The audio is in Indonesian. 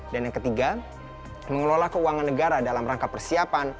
dan yang ketiga mengelola keuangan negara dalam rangka persiapan